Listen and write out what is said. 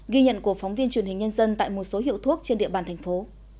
ghi nhận của phóng viên truyền hình nhân dân tại một số hiệu thuốc trên địa bàn thành phố